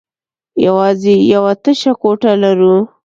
يواځې يوه تشه کوټه لرو.